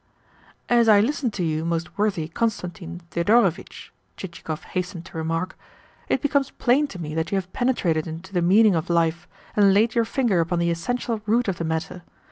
"As I listen to you, most worthy Constantine Thedorovitch," Chichikov hastened to remark, "it becomes plain to me that you have penetrated into the meaning of life, and laid your finger upon the essential root of the matter.